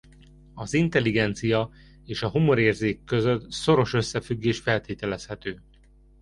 Az intelligencia és a humorérzék között szoros összefüggés feltételezhető.